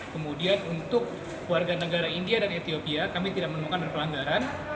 kemudian untuk warga negara india dan ethiopia kami tidak menemukan ada pelanggaran